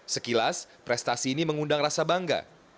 sekilas prestasi ini mengundang rasa bangga